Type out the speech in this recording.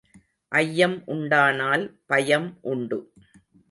ஐயம் உண்டானால் பயம் உண்டு.